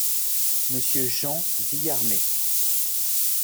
Monsieur Jean Villarmet.